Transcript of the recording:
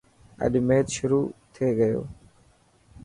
اڄ ميچ شروع ٿي گيو.